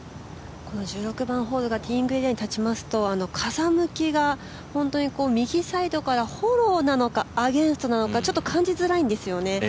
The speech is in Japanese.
この１６番ホール、ティーイングエリアに立ちますと本当に右サイドからフォローなのか、アゲンストなのかちょっと感じづらいんですよね。